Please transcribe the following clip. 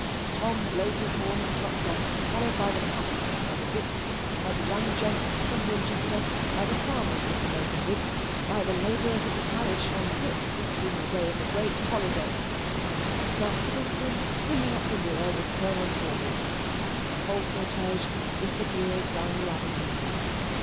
Tom blows his horn and trots off, followed by the pack, by the whips, by the young gents from Winchester, by the farmers of the neighbourhood, by the labourers of the parish on foot, with whom the day is a great holiday, Sir Huddlestone bringing up the rear with Colonel Crawley, and the whole cortege disappears down the avenue.